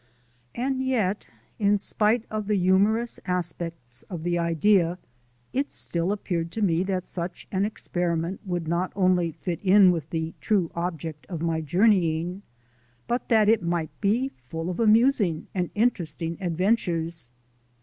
And yet, in spite of the humorous aspects of the idea, it still appeared to me that such an experiment would not only fit in with the true object of my journeying, but that it might be full of amusing and interesting adventures.